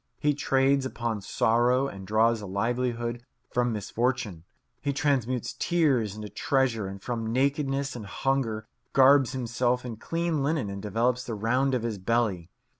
He trades upon sorrow and draws a livelihood from misfortune. He transmutes tears into treasure, and from nakedness and hunger garbs himself in clean linen and develops the round of his belly.